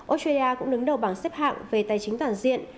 australia cũng đứng đầu bảng xếp hạng về tài chính toàn diện